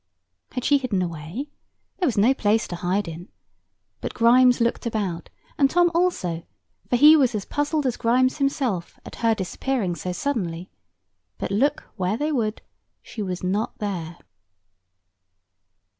Had she hidden away? There was no place to hide in. But Grimes looked about, and Tom also, for he was as puzzled as Grimes himself at her disappearing so suddenly; but look where they would, she was not there.